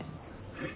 はい。